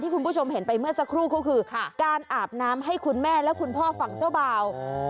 คุณผู้ชมเห็นไปเมื่อสักครู่ก็คือการอาบน้ำให้คุณแม่และคุณพ่อฝั่งเจ้าบ่าว